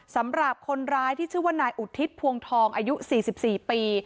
สำหรับคนร้ายที่ชื่อว่านายอุทิศพวงทองอายุ๔๔ปี